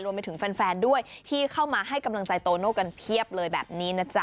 รวมไปถึงแฟนด้วยที่เข้ามาให้กำลังใจโตโน่กันเพียบเลยแบบนี้นะจ๊ะ